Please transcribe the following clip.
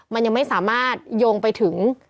มันยังไม่สามารถโยงไปถึง